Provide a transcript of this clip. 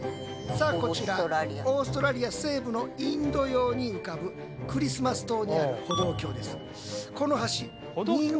さあこちらオーストラリア西部のインド洋に浮かぶクリスマス島にある歩道橋です。